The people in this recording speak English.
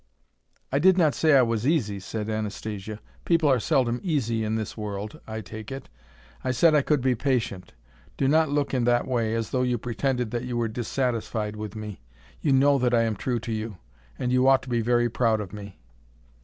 "I did not say I was easy," said Anastasia. "People are seldom easy in this world, I take it. I said I could be patient. Do not look in that way, as though you pretended that you were dissatisfied with me. You know that I am true to you, and you ought to be very proud of me."